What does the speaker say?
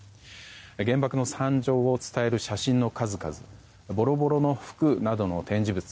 原爆の惨状を伝える写真の数々ぼろぼろの服などの展示物。